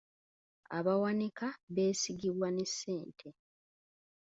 Abawanika beesigibwa ne ssente.